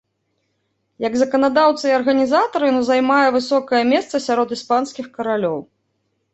Як заканадаўца і арганізатар ён займае высокае месца сярод іспанскіх каралёў.